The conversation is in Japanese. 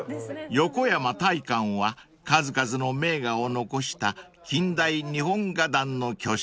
［横山大観は数々の名画を残した近代日本画壇の巨匠］